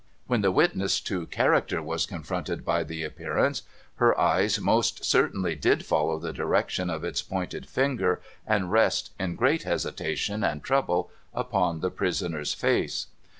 When the Avitness to character was confronted by the Appearance, her eyes most certainly did follow the direction of its pointed finger, and rest in great hesitation and trouble upon the prisoner's face.